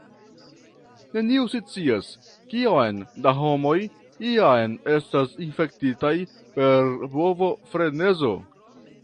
Neniu scias, kiom da homoj jam estas infektitaj per bovofrenezo.